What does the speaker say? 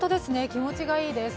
気持ちがいいです。